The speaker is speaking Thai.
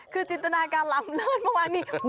คือจินตนาการลำเลิศประมาณนี้